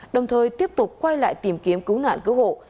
đồng thời tiếp tục quay lại tìm kiếm cứu nạn cứu hộ